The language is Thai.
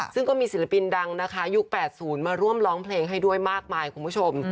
ซึ่งก็มีศิลปินดังนะคะยุค๘๐มาร่วมร้องเพลงให้ด้วยมากมายคุณผู้ชม